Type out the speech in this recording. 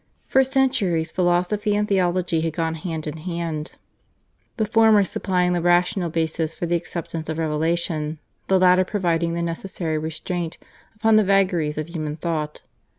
For centuries philosophy and theology had gone hand in hand, the former supplying the rational basis for the acceptance of revelation, the latter providing the necessary restraint upon the vagaries of human thought.